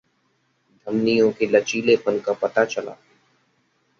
धमनियों के लचीलेपन का पता चला